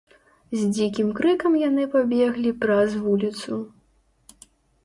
З дзікім крыкам яны пабеглі праз вуліцу.